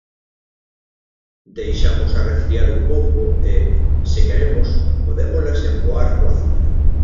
Deixamos arrefriar un pouco e, se queremos, podémolas empoar co azucre.